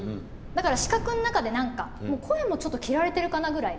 だから、四角の中でなんか、声もちょっと切られてるかなぐらい。